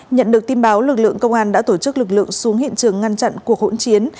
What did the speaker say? nhận được tin báo lực lượng công an đã tổ chức lực lượng xuống hiện trường ngăn chặn cuộc hỗn chiến